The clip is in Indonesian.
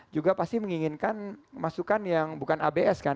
juga pasti menginginkan masukan yang bukan abs kan asal bapak senang